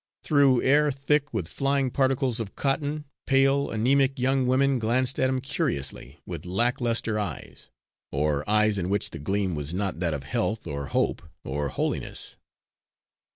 Through air thick with flying particles of cotton, pale, anæmic young women glanced at him curiously, with lack luster eyes, or eyes in which the gleam was not that of health, or hope, or holiness.